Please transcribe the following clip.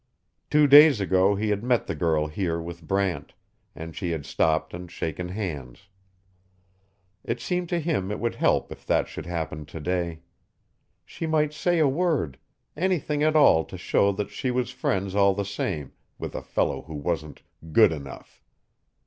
Two days ago he had met the girl here with Brant, and she had stopped and shaken hands. It seemed to him it would help if that should happen today. She might say a word; anything at all to show that she was friends all the same with a fellow who wasn't good enough.